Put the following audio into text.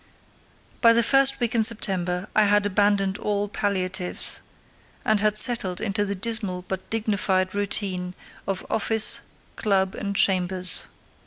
By the first week in September I had abandoned all palliatives, and had settled into the dismal but dignified routine of office, club, and chambers.